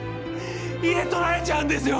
家取られちゃうんですよ！